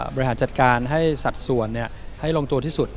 บริหารจัดการให้สัดส่วนให้ลงตัวที่สุด